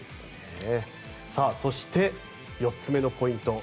そして、４つ目のポイント。